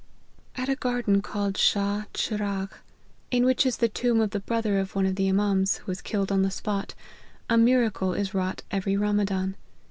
" At a garden called Shah Chiragh, in which is the tomb of the brother of one of the Imans, who \vas killed on the spot, a miracle is wrought every Ramazan.